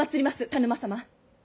田沼様。